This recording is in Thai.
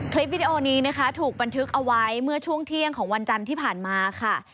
วิดีโอนี้นะคะถูกบันทึกเอาไว้เมื่อช่วงเที่ยงของวันจันทร์ที่ผ่านมาค่ะ